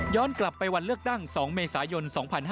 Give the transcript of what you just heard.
กลับไปวันเลือกตั้ง๒เมษายน๒๕๕๙